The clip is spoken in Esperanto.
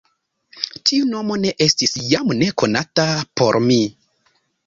Tiu nomo ne estis jam nekonata por mi.